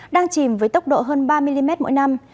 đang chìm với tốc độ hơn ba mm mỗi năm